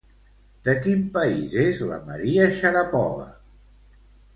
De quin país és la María Sharapova?